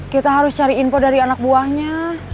kita harus cari info dari anak buahnya